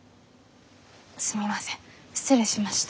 すみません失礼しました。